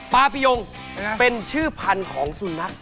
ปาปียงเป็นชื่อพันธุ์ของสุนัข